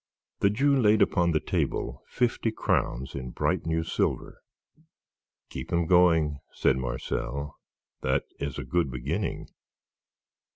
The Jew laid Upon the table fifty crowns in bright new silver. "Keep them going," said Marcel; "that is a good beginning."